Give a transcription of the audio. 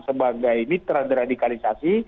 sebagai mitra deradikalisasi